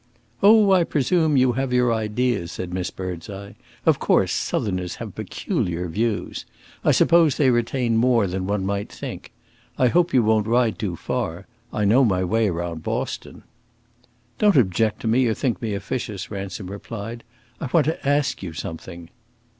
"Oh, I presume you have your ideas," said Miss Birdseye. "Of course, Southerners have peculiar views. I suppose they retain more than one might think. I hope you won't ride too far I know my way round Boston." "Don't object to me, or think me officious," Ransom replied. "I want to ask you something."